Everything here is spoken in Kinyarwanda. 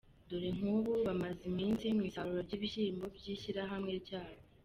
• Dore nk’ubu bamaze iminsi mu isarura ry’ibishyimbo by’ishyirahamwe ryabo.